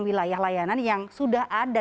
wilayah layanan yang sudah ada